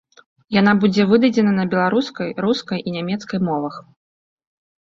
Яна будзе выдадзена на беларускай, рускай і нямецкай мовах.